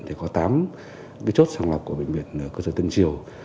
thì có tám chốt sàng lọc của bệnh viện cơ sở tân triều